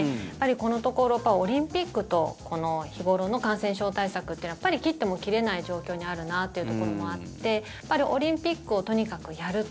このところ、オリンピックと日頃の感染症対策というのは切っても切れない状況にあるなというところもあってオリンピックをとにかくやると。